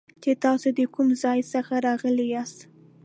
چې تاسو د کوم ځای څخه راغلي یاست